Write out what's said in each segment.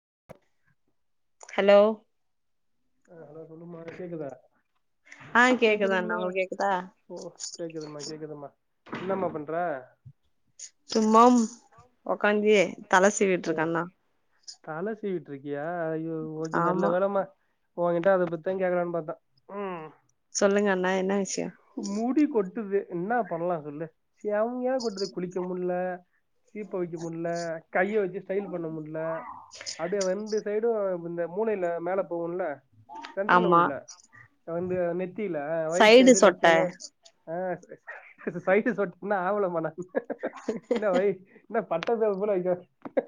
[inaudible] hello ஆ hello சொல்லுமா கேக்குதா ஆ கேக்குது அண்ணா கேக்குதுங்ளா உங்களுக்கு கேக்குதா ஓ கேக்குதும்மா கேக்குதும்மா என்னம்மா பண்ற சும்மாம் ஒக்காந்தி தலசீ ஆ தல சீவிட்ருக்கியா அய்யோ ஓகே நல்ல ஆமா வேலமா ஒங்கிட்ட அத பத்தா கேக்லான் பாத்த சொல்லுங்க அண்ணா என்ன விஷ்யோ முடி கொட்டுது என்ன பண்லா சொல்லு செம்மயா கொட்டுது குளிக்க முல்ல சீப்ப வெக்க முல்ல கைய வச்சு ஸ்டைல் பண்ண முல்ல அப்டியே வந்து சைடூ இந்த மூலையில மேல போகூல சென்டர்ல ஆமா உள்ல வந்து நெத்தில ரைட் சைடு லெஃப்ட் சைடு ஆ சைட்டு சொட் இன்னு ஆவளம்மா நா இன்ன வய் என்ன பட்டபேரு போல வக்க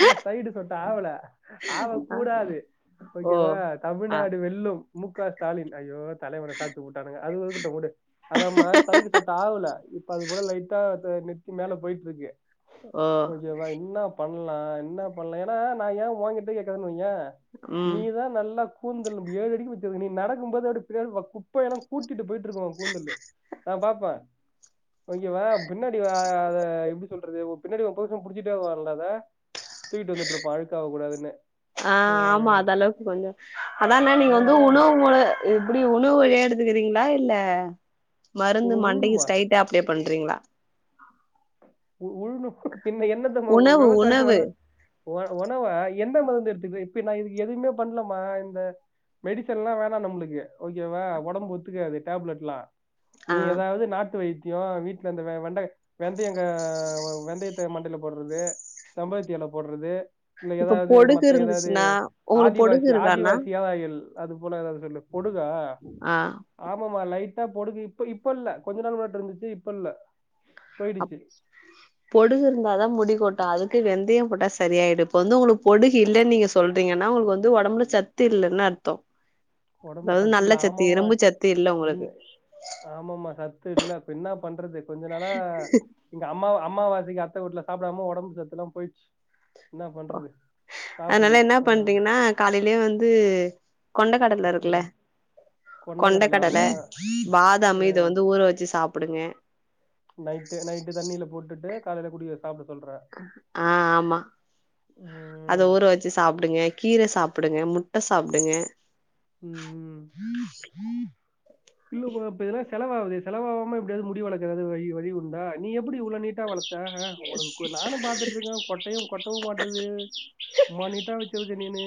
இன்னு சைடு சொட்ட ஆவல ஆவ ஆ கூடாது ஓ ஓகேவா ஆ தமிழ்நாடு வெல்லும் மு க ஸ்டாலின் ஐயோ தலைவர சாச்சு புட்டானுங்க அது வருது அத வுடு அதாமா சைடு சொட்ட ஆவல இப்ப அது போல லைட்டா நெத்தி மேல போயிட்ருக்கு ஓ கொஞ்சவா என்ன பண்லா என்ன பண்லா ஏனா நா யே ஓங்கிட்ட கேக்குரேனு வய்யே ம் நீதா நல்லா கூந்தல் ஏழடிக்கு வச்சுருக்க நீ நடக்கும்போதே அப்டியே குப்ப எல்லா கூட்டிட்டு போயி ட்ருக்கும் ஒ கூந்தலு நா பாப்ப ஓகேவா பின்னாடி அத எப் சொல்றது ஒ பின்னாடி ஒ புருச புடிச்சுட்டே வர்னு அத தூக்கிட்டு வந்துட்ருப்பா அழுக்காவ கூடாதுனு ஆ ஆமா அத அளவுக் கொஞ்சோ அதான்ன நீங்க அ வந்து அதா உணவு மொல எப்டி ஒணவு வழியா எடுத்துக்குறீங்களா இல்ல உ மருந்து மண்டைக்கி உழுணுமா ஸ்டைட் டா அப்டியே பண்றீங்ளா உ உழனு என்ன என்னத்தம்மா உ உணவு விவசாயோ உணவு பண்ற ஒ ஒணவ எந்த மருந்து எடுத்துக்கனு இப்ப நா இது எதுவுமே பண்லமா இந்த மெடிசன்லா வேணா நம்ளுக்கு ஓகேவா ஒடம்பு ஒத்துக்காது டேப்லெட்லா ஆ நீ ஏதாது நாட்டு வைத்தியோ வீட்லந்த வெண்ட வெந்தயோ கனா வெந்தயத்த மண்டைல போட்றது செம்பருத்தி எல போட்றது இல்ல இப்ப ஏதாது பொடுகு மத்த ஏதாது இருந்துச்சுன்னா உங்களுக்கு பொடுகு ஆதிவாசி இருக்கா அண்ணா ஆதிவாசி ஏர் ஆயில் அது போல ஏதாது சொல்லு பொடுகா ஆ ஆமமா லைட்டா பொடுகு இப்ப இப்போ இல்ல கொஞ்சோ நாள் முன்னாடி இருந்துச்சி இப்போ இல்ல போயிடுச்சி பொடுகு இருந்தாதா முடிக்கொட்டு அதுக்கு வெந்தயம் போட்ட சரியாயிடும் இப்போ வந்து ஒங்களுக்கு பொடுகு இல்ல நீங்க சொல்றீங்க ஆனா ஒங்களுக்கு வந்து ஒடம்புல சத்து இல்லனு அர்த்தோ உடம்புல அதாது நல்ல இல்ல சத்து ஆமாமா இரும்பு சத்து இல்ல ஒங்களுக்கு ஆமாமா சத்து இல்ல இப்ப என்னா பண்றது கொஞ்ச நாளா இங்க அம்மா அம்மாவாசைக்கு அத்த வீட்ல சாப்டாம ஒடம்பு சத்துலா போயிட்ச்சு என்ன பண்றது சாப்புட்ணு ஆ காலேலே வந்து கொண்டகடல இருக்குல ஆஹ் கொண்டக்கடலை கொண்டக்கடல ஆமா பாதாமு இது வந்து ஊற வச்சு சாப்புடுங்க நைட்டு நைட்டு தண்ணில போட்டுட்டு காலேல குடிக்கது சாப்ட சொல்ற ஆ ஆமா அத உம் ஊற வச்சு சாப்டுங்க கீர சாப்புடுங்க முட்ட சாப்டுங்க உம் இல்லமா இப்ப இதெல்லா செலவாவுதே செல வாவாம எப்டியாது முடி வளக்குறது வழி வழி உண்டா நீ எப்டி இவ்ளோ நீ ட்டா வளத்த அ ஒனக்கு நானு பாத்துட்ருக்க கொட்டையு கொட்டவு மாட்டுது மண்ணிட்டா வச்சிருது நீனு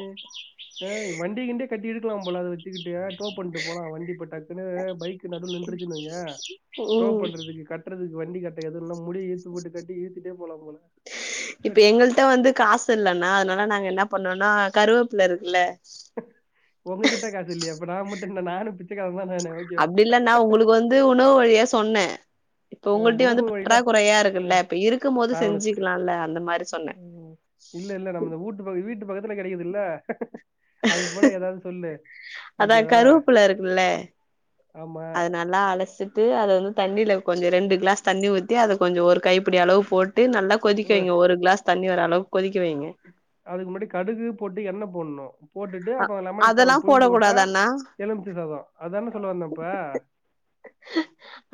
அ வண்டியகின்டிய கட்டி இழுக்கலா போல அத வச்சுக்கிட்டு டோ பண்ட்டு போலா வண்டி பெட்டா சிலது பைக்கு நடுவுல நின்றுச்சுனு வையே டோ ம் பண்றதுக்கு க கட்றதுக்கு வண்டி கட்ட எதுன்னா முடிய இழுத்துபோட்டு கட்டி இழுத்துட்டே போலாம் போல இப்ப சரி எங்கள்ட்ட வந்து காசு இல்லனா அதனால நாங்க என்ன பண்ணோனா கருவேப்புல இருக்குல உங்ககிட்ட காசு இல்லையா அப்ப நா மட்டு என்ன நானு பிச்சக்காரந்தான என ஓகே வா அப்டி இல்லன்னா உங்களுக்கு வந் து உணவு வழியா சொன்னே இப்ப ஆ, உங்கள்ட்டயு வந்து உணவு வழியில பற்றாக்குறையா இருக்குல்ல இப்ப இருக்கும் போது நான் உனக்கு செஞ்சிக்கலால அந்த மாரி சொன்ன ம் இல்ல இல்ல நம்ம இந்த வூட்டு பக்க வீட்டு பக்கத்துல கெடைக்குது இல்ல அது போல எதாது சொல்லு அதா ஓகே வா அது நல்லா அலசிட்டு அத வந்து தண்ணில கொஞ்சோ ரெண்டு கிளாஸ் தண்ணி ஊத்தி அத கொஞ்ச ஒரு கை ப்படி அளவு போட்டு நல்லா கொதிக்க ஒ- வைங்க ஒரு கிளாஸ் தண்ணி வர அளவுக்கு கொதிக்க வைங்க அதுக்கு முன்னாடி கடுகு போட்டு எண்ணெ போனு போட்டுட்டு அ அப்பற லெமன் சாத அதெல்லா புழிஞ்சு போடக் வுட்டா கூடாதாண்ணா எலுமிச்ச சாதோ அதான சொல்ல வந்த இப்ப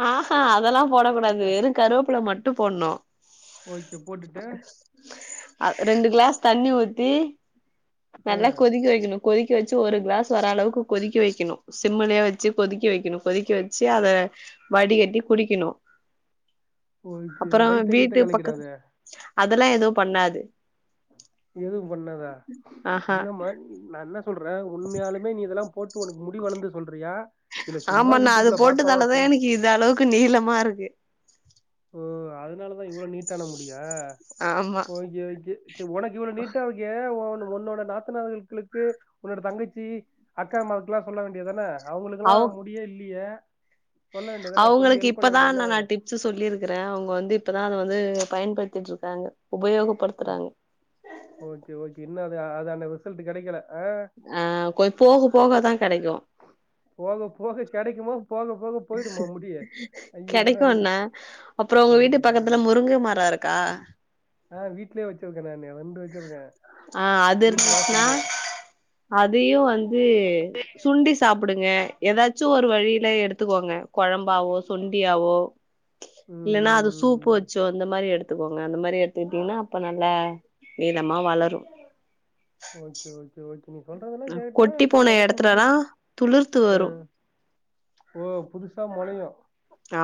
ஆஹா அதெல்லா போட கூடாது வெறு கருவேப்புல மட்டு போடுணு ஓகே போட்டுட்டு அ ரெண்டு கிளாஸ் தண்ணி ஊத்தி நல்லா ஆஹ் கொதிக்க வெக்கணு கொதிக்க வெச்சு ஒரு கிளாஸ் வர அளவுக்கு கொதிக்க வெக்கணு சிம்மலயே வச்சி கொதிக்க வெக்கணு கொதிக்க வெ ச்சு அத வடிகட்டி குடிக்கணு ஓகே அப்பற வயித்த கீத்த வீட்டு பக்கத் கலக்கிடாத அதெல்லா எது பண்ணாது எதும் பண்ணாதா ஆஹா இல்லமா நா என்ன சொல்றே உண்மையாலுமே நீ இதெலா போட் டு உனக்கு முடி வளந்து சொல்றியா இல்ல சும்மா ஆமா நா அது யூடியூப்ல பார்த்தோம் போட்டதாலதா சொல்லு எனக்கு இத அளவுக்கு நீளமா இருக்கு ஓ அதுனால தா இவ்ள நீட்டான முடியா ஆமா ஓகே ஓகே செ உனக்கு இவ்ள நீட்டா இருக்கே உன் உன்னோட நாத்தனாகளுக்கு உன்னோட தங்கச்சி அக்கா மாருக்கெல்லா சொல்ல வேண்டியதான அவங்களுக்கெல்லா அவ் முடியே இல்லயே சொல்ல வேண்டிதான சொல்லி ஹெல்ப் பண்ண வேண்டிதான சொல்லிருக்கறே அவங்க வந்து இப்பதா அத வந்து பயன்படுத்திட்ருக்காங்க உபயோகப்படுத் ஆ ஓகே ஓகே இன்னு அது அந்த ரிசல்ட் கெடைக்கல ஆ கொ போக போகதா கெடைக்கு போக போக கெடைக்குமா ஐயோ கெடைக்கு ஐயோ அண்ணா அப்பற உங்க வீட்டு கிடைக்குமா பக்கத்துல முருங்க மரோ இருக் கா ஆ வீட்லயே வெச்சுருக்கே நானு ரெண்டு வெச்சுருக்கே ஆ வீட்டு வாசல்லயே அதயும் வந்து சுண்டி சாப்புடுங்க எதாச்சு ஒரு வழில எடுத் துக்கோங்க கொழம்பாவோ சுண்டியாவோ இல்லனா அது சூப்பு வ ம் ச்சோ அந்த மாரி எடுத்துக்கோங்க அந்த மாரி எடுத்துக்கிட்டிங்னா அப்ப நல்லா நீளமா வளரு ஓகே ஓகே ஓகே நீ சொல்றதெல்லா கேட்டா கொட்டி அப்ப போன எனக்கு முடி எடத்துலல்லா வ துளிர்த்து ஆ வரு ஓ புதுசா மொளையு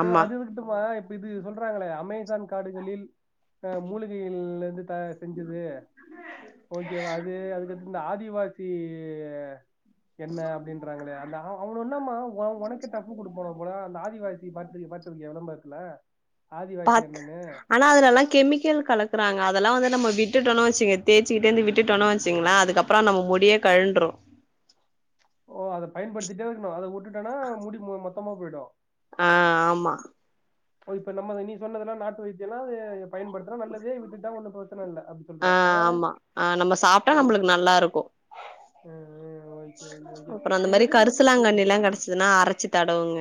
செரி அது எதுக் குமா இப்ப இது சொல்றாங்களே அமேசான் காடுகளில் அ மூலிகையில் இருந்து தயார் செஞ்சது ஓகேவா அது அதுக்கடுத்து இந்த ஆதிவாசி எண்ணெ அப்டின்றாங்களே அந்த அவங்க என்னமா ஒ ஒனக்கே டஃப்பு குடுப்பானுக போல அந்த ஆதிவாசி பாத் பா த்திருக்கியா விளம்பரத்துல ஆதிவாசி பாத் எண்ணென்னு ஆனா அது எல்லா கெமிக்கல் கலக்குறாங்க அதெல்லா வந்து நம்ம விட்டுட்டோனா வெச்சிக தேசிக்கிட்டே இந்து விட்டுட்டோனா வெச்சிக்கங்களா அதுக்கப் அப்றோ நம்ம முடியே கழன்று ஓ அத பயன்படுத்திட்டே இருக்கணு அத விட்டுட்டேனா முடி மொத்தமா போயிடு ஆ ஆமா ஓ இப்ப நம்ம நீ சொன்னதெல்லா நாட்டு வைத்தியம்னா அது பயன்டுத்துனா நல்லது விட்டுட்டா ஒன்னு பிரச்சன இல்ல அப்டி ஆ ஆமா ஆ நம்ம சாப்டா நம்மளுக்கு நல்லா இருக்கு ஓகே ஓகே ஓகே அப்றோ இந்த சரி, மாரி எதுக்கு இப்ப கரிசலாங்கண்ணிலா கடைச்சிதுன்னா அரைச்சி தடவுங்க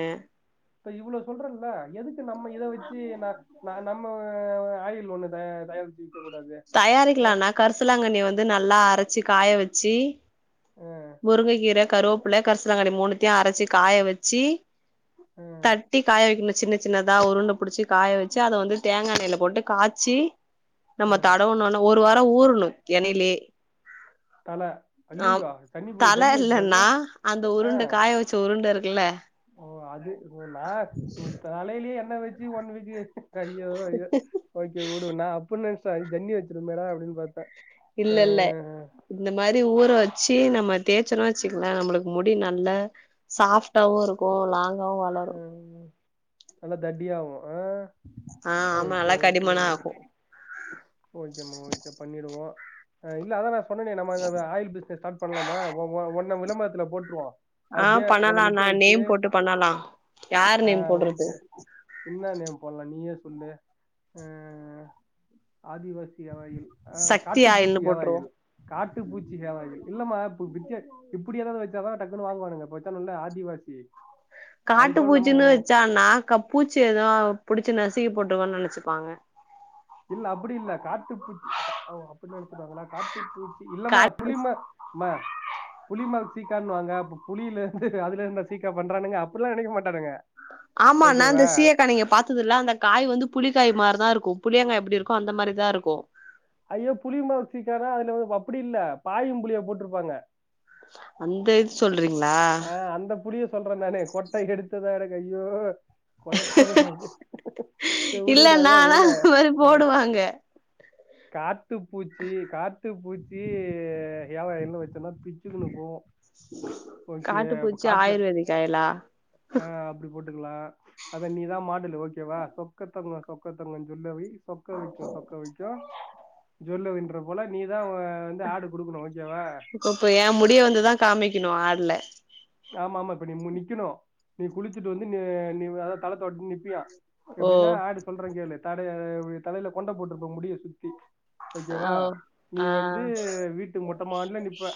இப்ப இவ்ளோ சொல்றல்ல எதுக்கு நம்ம இத வெச்சி நா நா நம்ம ஆயில் ஒன்னு தயா தயாரிச்சி விப் தயாரிக்கலாண்ணா கரிசலாங்கண்ணிய வந்து நல்லா அரைச்சி காய வெச்சி முருங்கக்கீர கருவேப்பில கருசலாங்கண்ணி மூணுத்தையு அரச்சி காய வெச்சி அஹ் தட்டி காய வெக்கணு சின்ன சின்னதா உருண்ட புடுச்சி காய வெச்சி அத வந்து தேங்கா எண்ணெயில போட்டு காய்சி நம்ம அஹ் தடவுனோன்னா ஒரு வாரோ ஊறனு எண்ணெய்லையே தல அய்யய்யோ தல இல்ல அண்ணா அந்த உருண்ட காய வெச்ச உருண்ட இருக்குல்ல ஓ அது ஓ நா என் தலையிலயே என்ன வெச்சி ஒன் வீக்கு ஐயோ ஐயோ ஓகே உடு நா அப்டினு நெனைச்சே அது ஜென்னி வெச்சிரு மேடா அப்டின்னு பாத்தே இல்லல்ல இந்த மாரி ஊற வெச்சி நம்ம தேய்ச்சோனு வெச்சிக்கோங்கலே நம்மளுக்கு முடி நல்ல சாஃப்டாவு இருக்கு லாங்காவு வளரு அஹ் நல்லா தடியாவு ஆ ஆ ஆமா ஓகே நல்லா ஓகே கடிமனா ஆகு ஓகே ஓகேமா ஓகே பண்ணிடுவோ இல்ல அதா நா சொன்னனே நம்ம இதா இதா ஆயில் பிசினஸ் ஸ்டார்ட் பண்ணலாமா ஓ ஓ ஒன்ன விளம்பரத்துல போட்ருவோ ஆ அப்டியே உன்ன பண்ணலா நிக்க நா வச்சு நேம் போட்டு பண்ணலா யார் ஆ நேம் போடுறது ஓகே இன்னா நேம் போட்லா நீயே சொல்லு ஆ ஆதிவாசி ஹேர் ஆயில் சக்தி காட்டுப்பூச்சி ஆயில்னு ஹேர் போட்ருவோ ஆயில் காட்டுப்பூச்சி ஹேர் ஆயில் இல்லமா இப்ப வித்திய இப்டி ஏதாது வெச்சாதா டக்குன்னு வாங்குவானுங்க இப்ப வெச்சானுங்கல்ல ஆதிவாசி அது காட்டு போல பூச்சின்னு நம்மோ வெச்சானா பூச்சி எதனா புடிச்சு நசுக்கி போட்டிருக்கோன்னு நெனைச்சுப்பாங்க இல்ல அப்புடி இல்ல காட்டு பூச்சி ஓ அப்புடி நெனைச்சிடுவாங்ளா காட்டு பூச்சி இல்லாம காட் புளிமா மா புலிமார் சீக்கான்னுவாங்க அப்ப புலில இருந்து அதுல இருந்தா சீக்கா பண்றானுங்க அப்பட்லா நெனைக்க மாட்டானுங்க ஆமா நா அந்த ஓகேவா சீயக்க நீங்க பாத் ததில்ல அந்த காய் வந்து புளிக்காய் மாரிதா இருக்கு புளியங்காய் எப்டி இருக்கு அந்த மாரிதா இருக்கு ஐயோ புலிய மார் சீயக்கானா அதுல வா அப்டி இல்ல பாயும் புலியா போட்டிருப்பாங்க அந்த இது சொல்றீங்ளா ஆ அந்த புலிய சொல்ற நானு கொட்ட எடுத்ததா எடுக் ஐய்யோ கொழப்பமா அவுது சேர் உடு உடு அதுதா இதுல தாங்க காட்டு பூச்சி காட்டு பூச்சி ஹேர் ஆயில் வெச்சோனா பிச்சினு போவோ காட்டுப்பூச்சி ஆயுர்வேதிக் ஆயிலா ஆ அப்டி போட்டுக்லா அத நீதா மாடலு ஓகேவா சொக்கத்தங்கோ சொக்கத்தங்கோ ஜுவல்லரி சொக்க வைக்கு சொக்க வைக்கு ஜுவல்லரின்றது போல நீதா வந்து ஆடு குடுக்கணு ஓகேவா இப்ப ஏ முடிய வந்துதுதா காமிக்கணு ஆடுல ஆமா ஆமா இப்ப நீ நிக்கணு நீ குளிச்சுட்டு வந்து நீ நீ அத தல தொவத்திகிட்டு நிப்பியா ஓ எப்படின்னா ஆடு சொல்றே கேளு தடைய தலையில கொண்ட போட்டுக்கோ முடிய சுத்தி ஓகேவா ஓ நீ ஆ வந்து வீட்டு மொட்டைமாடில நிப்ப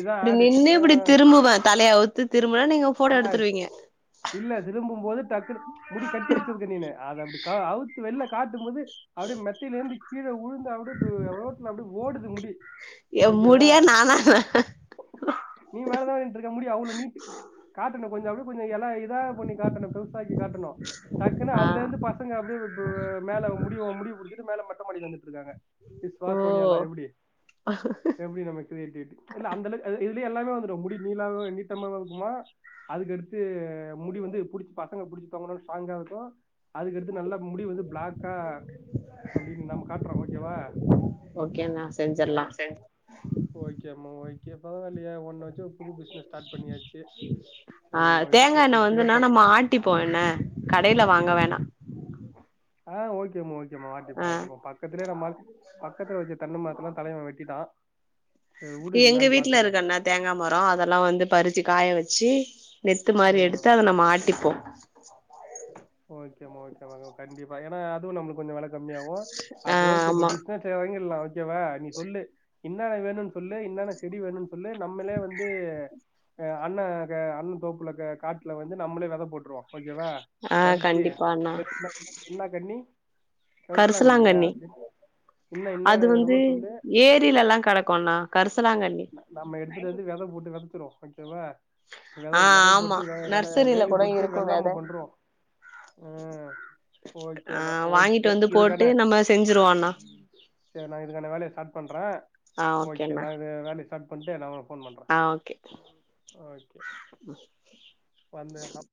இதான் இப்படி ஆடு நின்னு இப்படி திரும்புவே தலையா அவுத்து திரும்பனா நீங்க ஃபோட்டோ நாங்கள் எடுத்துருவீங்க இல்ல திரும்பும் போது டக்குனு முடி கட்டி வச்சிருக்க நீனு அத அப்படி அவுத்து வெள்ல காட்டும் போது அப்டி மெத்தில ஏந்தி கீழ உழுந்து அப்படிய ரோட்டல அப்பிடியே ஓடுது முடி எ ஓகேவா முடிய நானா நீ மேலதானின்ட்ருக்க முடி அவ்ளோ நீட்டு காட்டணு கொஞ்ச அப்டி கொஞ்ச எல இதா பண்ணி காட்டணு பெருசாக்கி காட்டணு டக்குன்னு ஆ அதுல இருந்து பசங்க அப்டி [unintelligible] மேல முடியு ஓ முடிய புடிச்சிட்டு மேல மெட்ட மாடிக்கு வந்துட்ருக்காங்க விஷ்வா ஓ சோனியா லா எப்டி எப்டி நம்ம க்ரியேட்டிவிட்டி இல்ல அந்தளவுக் இ இதுலயே எல்லாமே வந்துடு முடி நீளாவா நீட்டமாவா இருக்குமா அதுக்கடுத்து முடி வந்து புடிச்சு பசங்க புடிச்சுபாங்கனு ஒரு ஸ்ட்ராங்காவட்டு அதுக்கடுத்து நல்ல முடி வந்து பிளாக்கா அப்டின் நம் காட்றோ ஓகேவா ஓகேங்க செஞ்சிர்லா ஓகே அம்மு ஓகே பரவாலியே ஒண்ண வச்சு ஒரு புது பிசினஸ் ஸ்டார்ட் பண்ணியாச்சு ஆ சரி ஓகே தேங்காய் எண்ண இப்பயே வந்துன்னா ப நம்ம ஆட்டிப்போ என்ன கடைல வாங்க வேணா ஆ ஓகே அம்மு ஓகே அம்மு ஆட்டிப்போ ஆ ஆட்டிப்போ பக்கத்லே நம்ம ஆள் பக்கதுல வச்ச தென்ன மரத்த எல்லா தலைவ வெட்டிடா இ எங்க வீட்ல இருக்கு அண்ணாத் தேங்கா மரோ அதெல்லா வந்து பறிச்சு காய வச்சு நெத்து ஆ மாரி எடுத்து அத நம்ம ஆட்டிப்போ [inaudible] ஓகே மா ஓகே மா கண்டிப்பா ஏனா அதுவு நம்ளுக்கு கொஞ்சோ வெல கம்மியாகு ஆ அப்ப ஓகே ஆமா பப்பிஸ் என்ன அத்த வாங்கிர்லா ஓகேவா நீ சொல்லு இன்னன்ன வேணு சொல்லு இன்னென்ன செடி வேணு சொல்லு நம்ளே வந்து எ அண்ண க அண்ண தோப்ல க காட்ல வந்து நம்ளே வெத போட்ருவோ ஓகே வா ஆ கடிச்சி கண்டிப்பா அண்ணா [unintelligible] என்ன கண்ணி கரிசலாகண்ணியா கரிசலாங்கண்ணி இன்ன இன்னென்ன வேணுமோ சொல்லு ஏரிலெல்லா கடக்குணா கரிசலாங்கண்ணி ந நம்ம எடுத்துட்டு வந்து வெத போட்டு வெதச்சிருவோ ஓகேவா வெத ஆ வெத ஆமா போட்டு வேல வேல நர்சரில வேலி கூட போட்டு இருக்கு வெள்ளாம வெத பண்றோ ஆ ஆ ஓகேமா வாங்கிட்டு ஓகே வந்து போட்டு இதுகன நம்ம செஞ்சிருவோ அண்ணா செர் நா இதுக்கான வேலய நா ஸ்டாட் பண்ற ஆ ஓகே அண்ணா நா இது வேலய ஸ்டாட் பண்ட்டு நா உ ஆ ஓகே வந்து ஹப்